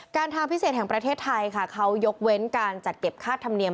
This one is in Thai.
ทางพิเศษแห่งประเทศไทยค่ะเขายกเว้นการจัดเก็บค่าธรรมเนียม